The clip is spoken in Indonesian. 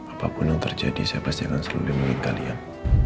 apapun yang terjadi saya pasti akan seluli menurut kalian